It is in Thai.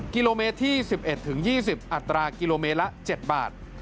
กิโลเมตรที่๑๑๒๐อัตรากิโลเมตรละ๗บาท